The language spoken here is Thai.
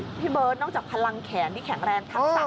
กำลังจะเข้าไปแข่ง